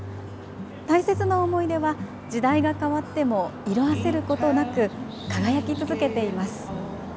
大切な思い出は時代が変わっても色あせることなく輝き続けています。